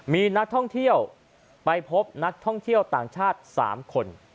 มีนักท่องเที่ยวไปพบนักท่องเที่ยวต่างชาติ๓คน